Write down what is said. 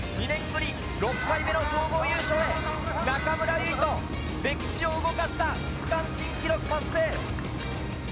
２年ぶり６回目の総合優勝へ、中村唯翔、歴史を動かした区間新記録達成。